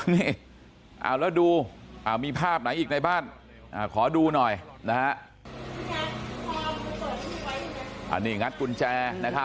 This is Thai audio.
นี่เอาแล้วดูมีภาพไหนอีกในบ้านขอดูหน่อยนะฮะอันนี้งัดกุญแจ